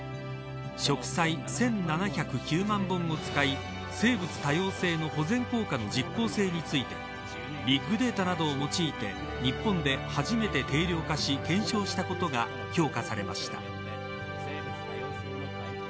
植栽１７０９万本を使い生物多様性の保全効果の実効性についてビッグデータなどを用いて日本で初めて定量化し検証化したことが評価されました。